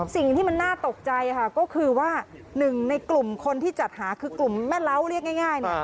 สิ่งที่มันน่าตกใจค่ะก็คือว่าหนึ่งในกลุ่มคนที่จัดหาคือกลุ่มแม่เล้าเรียกง่าย